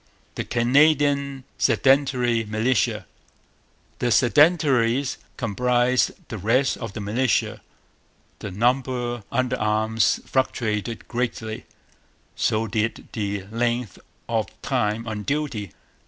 The Canadian Sedentary Militia. The 'Sedentaries' comprised the rest of the militia. The number under arms fluctuated greatly; so did the length of time on duty.